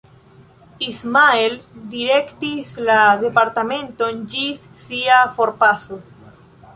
Ismael direktis la departementon ĝis sia forpaso.